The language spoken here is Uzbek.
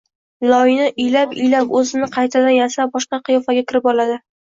loyini iylab-iylab, o’zini qaytadan yasab, boshqa qiyofaga kirib oladi.